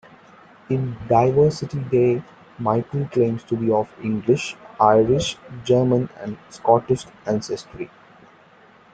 In "Diversity Day", Michael claims to be of English, Irish, German and Scottish ancestry.